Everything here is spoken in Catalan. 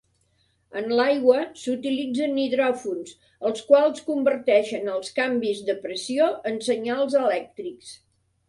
En l'aigua, s'utilitzen hidròfons, els quals converteixen els canvis de pressió en senyals elèctrics.